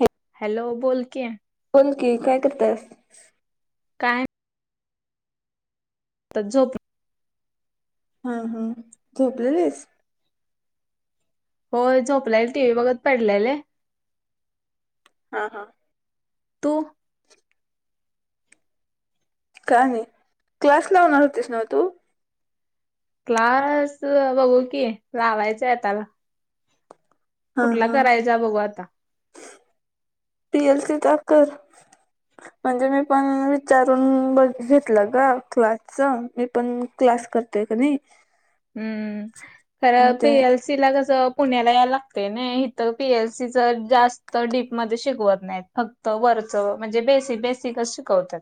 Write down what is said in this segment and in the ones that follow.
हे हॅलो बोल की. बोल की काय करताय. काय नाही. आता जो- हा हा झोपलेलीस. होय झोपलेले टी व्ही बघत पडलेले. हा हा तु [unintelligible] काय नाही क्लास लावनर होतेस नव तू? क्लास बघू की लावायचंय आता. कुठंला करायचा बघू आता. पी एल सी चा कर म्हणजे मी पण विचारून बघ घेतलं गं क्लासच मी पण क्लास कर ते कणी हम्म ते खर [unintelligible] सी ला कस पुण्याला याला लागत नाही इथ पी एल सी च जास्त डीपमध्ये शिकवत नाहीत फ क्त वरचं म्हणजे बेसिक बेसिकच शिकवतात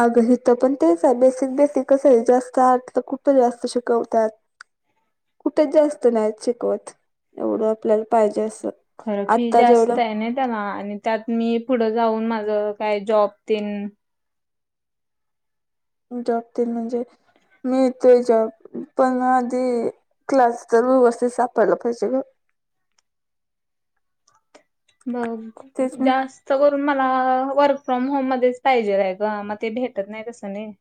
अग हित पण तेच आहे बेसिक बेसिक कसं आहे जास्त आतलं कुठ जास्त शिकवतात कुठे जास्त नाही शिकवत एवढं आपल्याला पाहिजे असं खरं फी आत्ता जेवढं जास्त आहे ना त्याला आणि त्यात मी पुढं जाऊन माझ काय जॉब तेन जॉब तेन म्हणजे मी ते जॉब पण आधी क्लास तर व्यवस्थित सापडला पाहिजे ग तेच हम्म, मी जास्त करून मला वर्क फ्रॉम होम मध्येच पाहिजे आहे ग मग ते भेटत नाही कसं नाही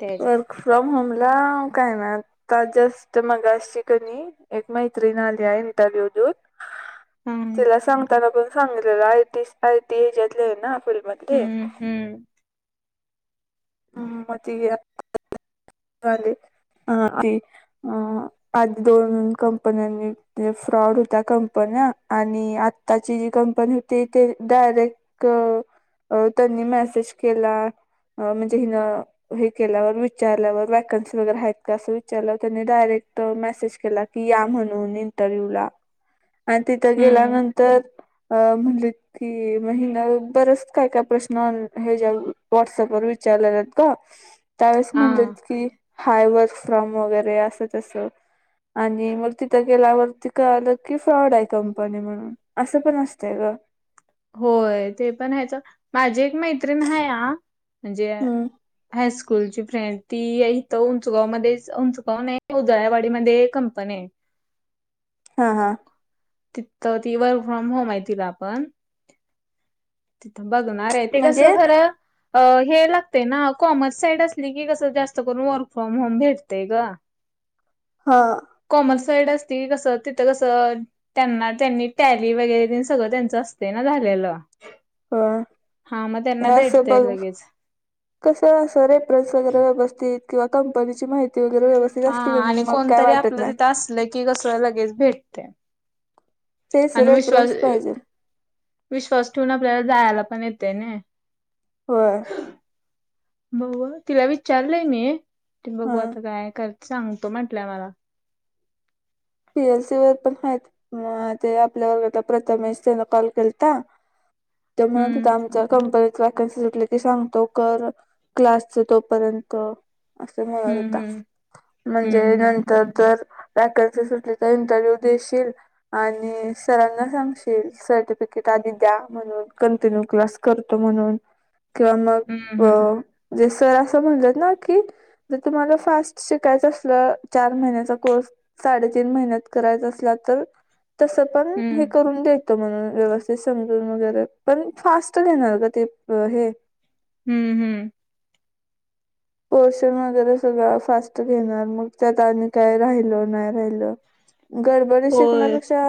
त्या ह्याच्यात वर्क फ्रॉम होमला काय ना आता जस्ट मगाशी कणी एक मैत्रीण आली [unintelligible] [unintelligible] हम्म तिला सांगताना पण सांगितलेलं आय टी आय टी हेच्या तले आहे ना फील्डमधले हम्म हम्म [unintelligible] झाले ह ते अ [unintelligible] आधी दोन कंपन्यांनी फ्रॉड होता कंपन्या आणि आ ताची जी कंपनी होती ते डायरेक्ट अ त्यांनी मेसेज केला अ म्हणजे हिन हे केल्यावर विचारल्यावर वॅकन्सी वगैरे आहेत का असं विचारल्यावर त्यांनी डायरेक्ट मेसेज केला की या म्हणून इंटरव्हिवला. आण तिथं हम्म गेल्यानंतर अ म्हणली की म हीन बरच काय काय प्रश्न हेज्या व्हॉट्सअपवर विचारलेलेत गं त्यावेळेस हा म्हणलेत की हाय वर्क फ्रॉम वगैरे असं तसं आणि मग तिथं गेल्यावर ते कळलं की फ्रॉड आहे कंपनी म्हणून असं पण असतंय ग होय ते पण आहेच माझी एक मैत्रिण हाया म्हणजे हम्म हायस्कूलची फ्रेंड ती इथं उंचगाव मध्येच उंचगाव नाही उजळायवाडीमधे कंपनी आहे. हा, हा. तीथ ती वर्क फ्रॉम होम आहे तिला पण तिथं बघणार आहे ते म्हणजे कसं खरं अ हे लागतय ना कॉमर्स साईड आसली की कसं जास्त करून वर्क फ्रॉम होम भेटतय गं. हां. कॉमर्स साईड असती कसं तिथं कसं त्यांना त्यांनी टॅली वगैरे तेन सगळं त्यांच असतय ना झालेलं. ह हा म हे तेंना असं भेटतय बघ लगेच. कसं असं रेफ्रन्स वगैरे व्यवस्थित किंवा कंपनीची माहि ती वगैरे व्यवस्थित हा आसली कनी आणि मग काय कोणतरी वाटत आपलं नाय. तिथं असलं की कस लगेच भेटतय. तेच आणि विश्वास रेफरन्स पाहिजे विश्वास ठेवून आपल्याला जायाला पण येतय नय. व्हय. मग बघू तिला विचारलय मी ते बघू हा आता काय कर सांगतो म्हंटल्या मला. पी. एल. सी वर पण हायत म ते आपल्या वर्गातला प्रथमेश त्यान कॉल केलता. त्यो म्हणत हम्म होता आमच्या कंपनीत वॅकन्सी सुटली की सांगतो कर क्लासच तोपर्यंत. आस म्हणत हम्म होता हम्म. म्हणजे हम्म नंतर जर व्हॅकनसिज तेचा इंटरव्ह्यूव देशील आणि सरांना सांगशील सर्टिफिकेट आधी द्या म्हणून कंटिन्यू क्लास करतो म्हणून किंवा हम्म हम्म मग जे सर अस म्हणलेत ना की जर तुम्हाला फास्ट शिकायच असल चार महिन्याचा कोर्स साडेचा तीन महिन्यात करायच आसला तर तस पण हे हम्म करून दे तो म्हणून व्यवस्थित समजून वगैरे पण फास्ट घेणार ग ते हे हम्म हम्म. पोर्शन वगैरे सगळ फास्ट घेणार मग त्यात आणि काय राहिल नाही राहिल गडबडीत होय. शिकण्यापेक्षा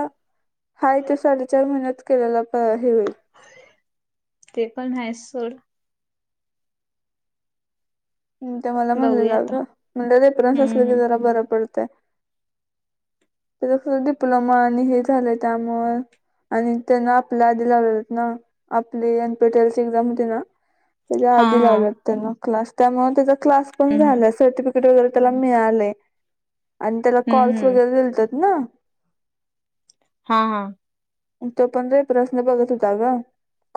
हाय ते साडेचार महिन्यात केलेला हे होईल. ते पण हाय सोड. ते मला बघूया म्हणलेला आता ग म्हणजे रेफरन्स असल की हम्म जरा बर पडतय. त्याज खर डिप्लोमा आणि हे झालय त्यामुळ आणि त्यान आपल्या आधी लावलेत ना आपले एन. पी. टेल्सची एक्झाम होती ना त्याच्या हा आधी हा लावल्यात त्यान क्लास त्यामुळ तेज क्लास पण हम्म हम्म. झाला सर्टिफी किट वगैरे त्याला मिळालय आणि त्याला हम्म, कॉल्स हम्म. वगैरे दिलतेत ना हां, हां. तो पण रेफरन्स ने बघत होता ग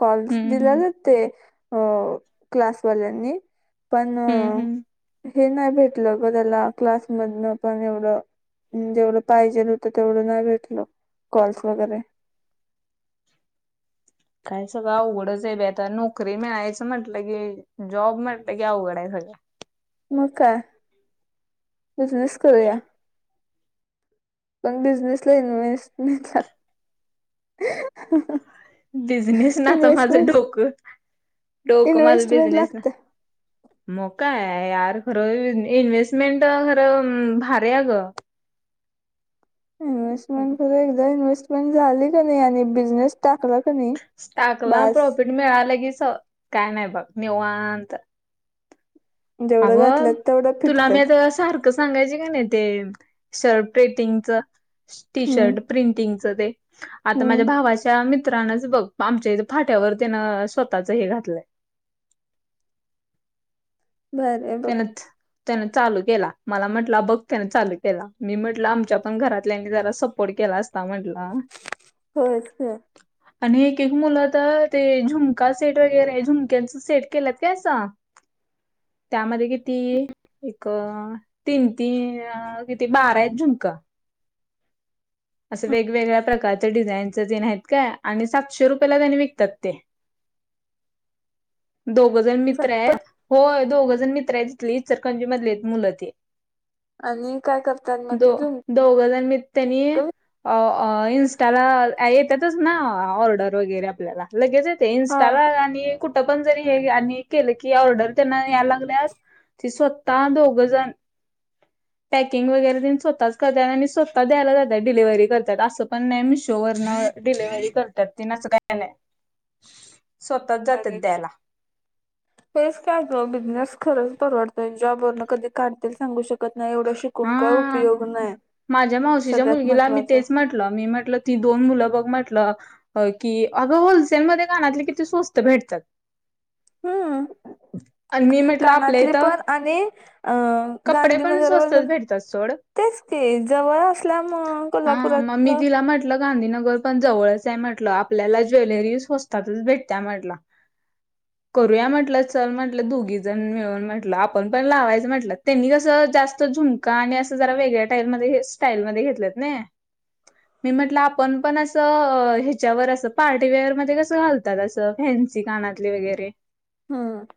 कॉल्स हम्म, हम्म. दिल्यालेत. ते अ क्लासवाल्यानी पण हम्म, हम्म. हे नाही भेटल ग त्याला क्लासमधन पण एवढ जेवढ पाहिजेल होत तेवढ नाही भेटल कॉल्स वगैरे. काय सगळ अवघडच आहे बाई आता नोकरी मिळायच म्हटल की जॉब म्हटल की अवघड आहे सगळ. मग काय बिझनेस करुया. पण बिझनेसला इन्वस्टमेंट ला बिझनेस ना तर माझ डोक डोक माझ इन्व्हेस्टमेंट बिझनेस ना लागते मग काय आहे यार खर ई इनेस्टमेंट खर भारीय अग. इन्व्हेस्टमेंट खर एकदा इन्हेस्टमेंट झाली का नाही आणि बिझनेस टाकला कि नाही बास आणि मिळाल की स काय नाही बघ निवांत. जेवढं अगं घातलं तेवढं तुला मी फिटतात आता सारख सांगायचे का नाही ते शर्ट प्रेटिंगच टी हम्म शर्ट प्रिंटिंगचं ते आता हम्म माझ्या भावाच्या मित्रानच बघ आमच्या हीत फाट्यावर त्यानं स्वतःच हे घातलय. बरं त्यानच त्यान चालू केला मला म्हटला बघ त्यान चालू केला मी म्हटल आमच्या पण घरातल्यानी जरा सपोर्ट केला आसता ता म्हंटला. होयच की आणि एक एक मुलं तर ते झुमका सेट वगैरे झुमक्यांच सेट केलेत काय असा त्यामध्ये किती एक तीन तीन किती बारा आहेत झुंमका. अस वेगवेगळ्या प्रकारच्या डिझाईनच जन आहेत काय आणि सातशे रुपयाेला त्यानी विकतात ते [inaudible] दोघ जण मित्र सप्पा आहेत होय दोघजण मित्र आहेत तिथली इचलंकरजी मधलीयत मुलं ती आजुन काय करतात मग तिथून दोघं जण मित्तनी अ अ इंस्टाला आ येतातच ना ऑर्डर वगैरे आपल्याला लगेच येतय हा इंस्टाला आणी कुठं पण जरी हे आणि केलं की ऑर्डर त्यांना यायला लागल्यात ते स्वतः दोघजण पॅकिंग वगैरे तेन स्वतःच करतात आणि स्वतः द्यायला जातात डिलेव्हरी करतात असं पण नाही मिशोवरन डिलिव्हरी करतात ती नच काय नाही [inaudible] स्वतःच जात्यात द्यायला हेच काय गं बिझनेस खरंच परवडतय जॉबवर न कधी काढतील सांगू शकत नाही एवढं शिक कुण काय हा उपयोग नाही, सगळ्यात महत्वाच तुला मी म्हटलं ती दोन मुलं बघ म्हटलं होय की, अगं होलसेलमध्ये कानातले किती स्वस्त भेटतात हुम्, आणि मी म्हटलं आपल्या कानातली इथं पण आणि अ कपडे पण गांधीनगरवर वर स्वस्तच भेटतात सोड तेच की जवळ असल्यामुळ कोल्हापुरातन ल गांधीनगर पण जवळचं म्हटलं आपल्याला ज्वेलरी स्वस्तातच भेटत्या म्हटलं [inaudible] करूया म्हटलं चल म्हटलं दोघी जण मिळून म्हटलं आपण पण लावायचं म्हटलं त्यांनी कसं जास ते झुमका आणि असं जरा वेगळ्या टाईप मध्ये हे स्टाईल मध्ये घेतलेत ना मी म्हटलं आपण पण असं ह्याच्यावर असं पार्टीवेअरमध्ये कसं घालं तर असं फॅन्सी कानातले वगैरे हुम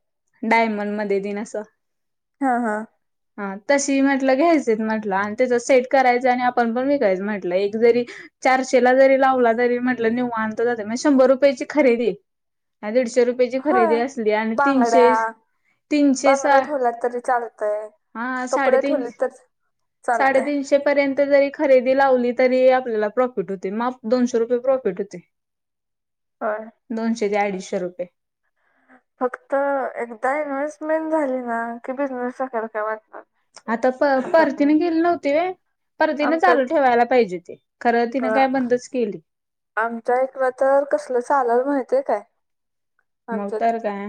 डायमंड मध्ये दिन असं ह ह हा तशी म्हटलं घ्यायचेत म्हटलं आणि त्याच सेट करायचं आणि आपण पण विकायचं म्हटलं एक जरी चारशेला जरी लावला तरी म्हटलं निवांत जाते मी शंभर रुपयाची खरेदी आ दीडशे रुपयाची खरेदी होय असली आणि तीनशे बांगड्या तीनशे सहा, बांगड्या ठेवल्या तरी चालतय हा कपडे साडेतीनश ठेवले तर चालतय साडेतीनशे तीनशे पर्यंत जरी खरेदी लावली तरी आपल्याला प्रॉफिट होते मा दोनशे रुपये प्रॉफिट होते हा दोनशे ते अडीचशे रुपये फक्त एकदा इन्व्हेस्टमेंट झाली ना की बिझनेस टाकायला काय वाटत आता प परतीनं गेलल होतय व्हय परतीनं चालू आमच्यात ठेवायला पाहिजे होती, खरं तिनं काय बंदच केली आमच्या ईकडं तर कसलं चालल माहितीय काय मग आमच्या तर काय,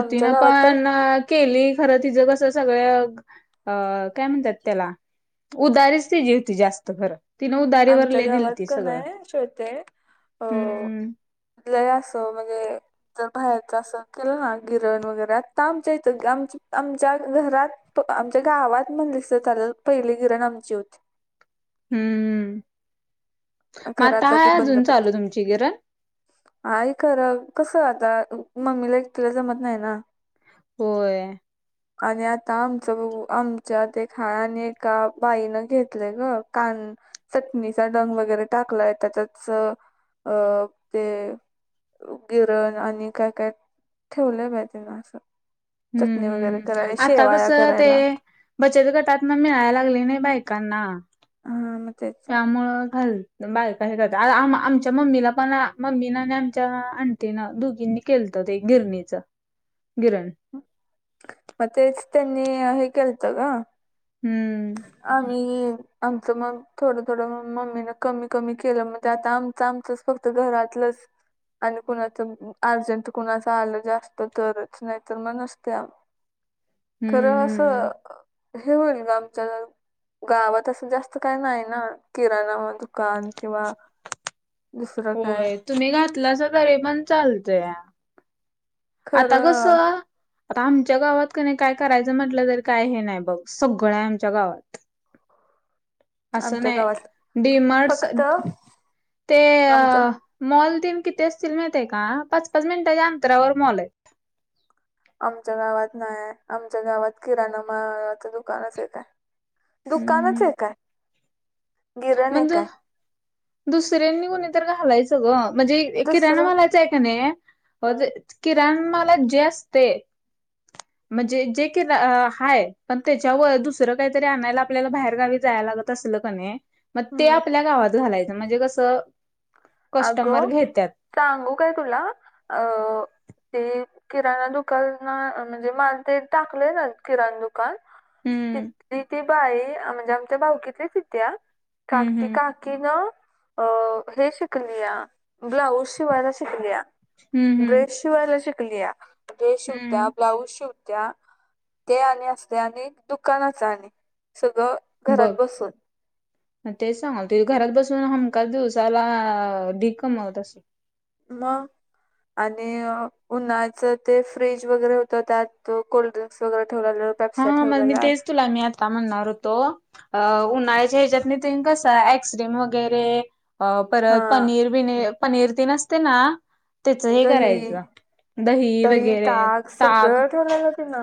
आमच्या गावात तर पाण केली खरं तिचं कसं सगळ.. अ काय म्हणत्यात त्याला उदारीच केली होती जास्त खरं तिनं उदारीवर आमच्या लई गावात दिलती का सगळं, नाही श्वेते हम्म लई असं म्हणजे जर बाहेरच असं केलं ना गिरण वगैरे आत्ता आमच्या इथं ग.. आमचं आमच्या घरात त आमच्या गावात म्हणलीस तर चालल पहिली गिरण आमची होती. हम्म म खरं आत्ता आता ती हाय अजून चालू तुमची गिरण? आहे खरं कसं आता मम्मीला एकटीला जमत नाही ना. होय. ह [inaudible] आणि आता आमचं बघू आमच्यात एक हाय आणि एका बाईनं घेतलय ग कान चटणीचा डंग वगैरे टाकलाय त्याच्यातच अं ते गिरण आणि काय काय ठेवलय बाई तिनं असं. हम्म चटणी वगैरे कराय हम्म आता शेवाया कसं ते करायला. बचत गटातनं मिळाय लागलय नाही बायकांना. हा म ते त्यामुळे घाल बायका हे करतात आ-आम-आमच्या मम्मीला पण मम्मीनं आणि आमच्या आंट टीन दोघींनी केलतं एक गिरणीच गिरण. म तेच तेंनी हे केलतं ग. हम्म. आणि आमचं मग थोडंथोडं मम्मीने कमी कमी केलं म ते आता आमचं आमचंच फक्त घरातलंच आणि कुणाचं अर्जंट कुणाचं आलं जास्त तरच नाहीतर मग नसते. खरं हम्म हम्म. असं हे होईल गम तर गावात असं जास्त काही नाही ना किराणा दुकान किंवा दुसरं काय होय तुम्ही घातलासा तरी पण चालतंया. आता कसं खरं आता आमच्या गावात कनी काय करायचं म्हटलं तरी काय हे नाही बघ सगळं आहे आमच्या गावात. [inaudible] असं गावात नाही डीमार्ट्स फक्त ते आमच्या मॉल तेन किती असतील माहिताये का पाच पाच मिनटांच्या अंतरावर मॉल आहेत. आमच्या गावात नाही हाय आमच्या गावात किराणा मालाचं दुकानच एक हाय. दुकानच एक हाय. म्हणज दुसऱ्यांनी कुणी तर घालायचं. अगं म्हणजे दुसरं किराणमालाचं आहे का नाही अ जे किराणामालात जे असतय ह [inaudible] म्हणजे जे के अ हाय पण त्याच्यावर दुसरं काहीतरी आणायला आपल्याला बाहेर गावी जायला लागत तसलं कनी म ते हम्म आपल्या गावात घालायचं म्हणजे कसं कस्टमर अगं घेत्यात कांगू काय तुला अ ते किराणा दुकाना म्हणजे माल ते टाकले ना किराणा दुक कान हम्म तीत ती बाई म्हणजे आमच्या भाऊकीतलीच इत्या काक हम्म ती हम्म काकी न अ हे शिक कलीया ब्लाऊज शिवायला शिकलीया हम्म हम्म ड्रेस शिवायला शिकलीया. ड्रेस शिवत्या हम्म ब्लाऊज शिव त्या ते आणि असते आणि दुकानचा आणि सगळं बघ. घरात बसून म तेच सांगालते घरात बसून हमखास दिवसाला ढीग कमवत असल. म. आणि उन्हाळचं ते फ्रीज वगैरे होतं त्यात कोल्ड्रिंक्स वगैरे ठेवलेलं. हा पेप्स्या मग मी, ठेवलेला तेच तुला मी आता म्हणणार होतो. अ उन्हाळ्याच्या हेच्यातनी तीन कसं आईस्क्रीम वगैरे अ परत हा पनीर बी पनीर तेन असतय ना. त्याच हे दही, करायचं दही, वगैरे ताक ताक सगळं ठेवल्याल तिन.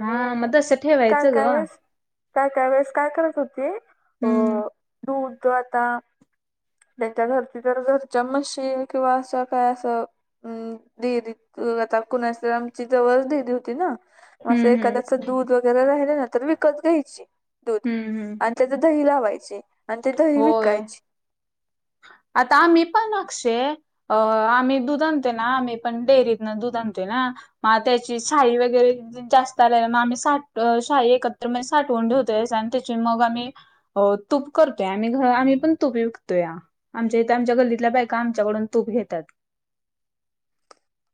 हा मग तसं ठेवायचं ग कायकायवेेळेस, काय काय वेळेस काय करत होती. अ. हम्म दूध अ आता त्याच्या घरची जर, घरच्या मशी किंवा असं काय अस तर डेअरी त अ आता कुणाच, आमची जवळच डेअरी होती ना? आसं हम्म हम्म एखाद्याच दूध वगैरे राहिलं ना, तर विकत घ्यायची दूध हम्म हम्म आणि त्याच दही लावायची आणि ते दही होय विकायची. आता आम्ही पण आक्षे अ आम्ही दूध आणतय ना, आम्ही पण डेअरीतन दूध आणतय ना. मा त्याची सायि वगैरे जास्त आल्याली मग आम्ही साठ शाई एकत्र म्हणजे साठवून ठेवतोय आणि त्याची मग आम्ही अ तूप करतोय आम्ही घर, आम्ही पण तूप विकतोया. आमच्या इथं आमच्या गल्लीतल्या बायका आमच्याकडून तूप घेत्यात.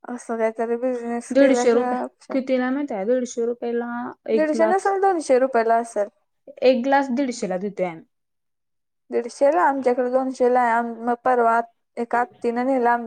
असं काहीतरी बिझनेस दीडशे रुपय, केल्याशिवाय ऑप्शन किती ला माहित हाय? दीडशे रुपय ला दीडशे नसल, दोनशे रुपयला असल. एक ग्लास दीडशेला देतोय आम्ही. दीडशे ला, आमच्याकडे दोनशे ला हाय, मग परवा आ एक एका आतीन न्हेल आम